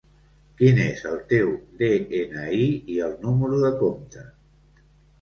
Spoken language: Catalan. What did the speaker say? Quin és el teu de-ena-i i el número de compte?